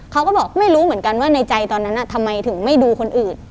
เขาก็บอกไม่รู้เหมือนกันว่าในใจตอนนั้นทำไมถึงไม่ดูคนอื่น